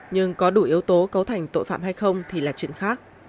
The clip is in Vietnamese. nhưng có đủ yếu tố cấu thành tội phạm hay không thì là chuyện khác